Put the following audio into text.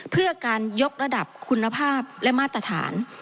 เพื่อการยกระดับคุณภาพและมาตรฐาน